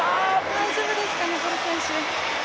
大丈夫ですかね、ボル選手。